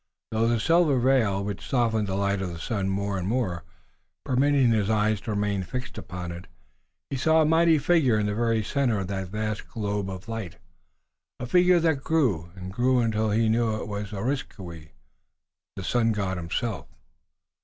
Through the silver veil which softened the light of the sun more and more, permitting his eyes to remain fixed upon it, he saw a mighty figure in the very center of that vast globe of light, a figure that grew and grew until he knew it was Areskoui, the Sun God himself.